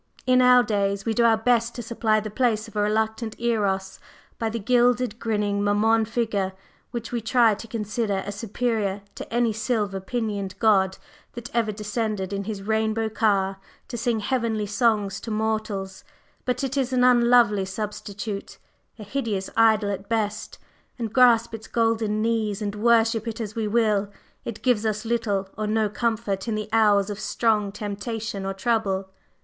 In our days we do our best to supply the place of a reluctant Eros by the gilded, grinning Mammon figure which we try to consider as superior to any silver pinioned god that ever descended in his rainbow car to sing heavenly songs to mortals; but it is an unlovely substitute, a hideous idol at best; and grasp its golden knees and worship it as we will, it gives us little or no comfort in the hours of strong temptation or trouble.